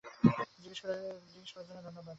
জিজ্ঞেস করার জন্য ধন্যবাদ।